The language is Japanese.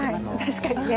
確かにね。